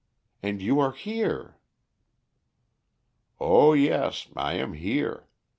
And you are here!" "Oh, yes, I am here.